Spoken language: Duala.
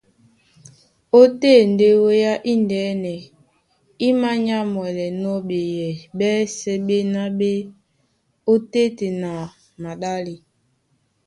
Ótên ndé wéá indɛ́nɛ í mānyámwɛlɛnɔ́ ɓeyɛy ɓɛ́sɛ̄ ɓéná ɓé e ot́téten a maɗále.